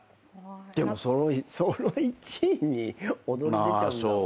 でもその１位に躍り出ちゃうんだもんね。